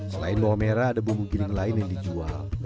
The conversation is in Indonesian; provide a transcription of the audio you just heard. selain bawang merah ada bumbu giling lain yang dijual